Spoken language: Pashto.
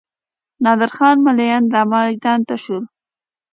نادر خان ملایان رامیدان ته شول.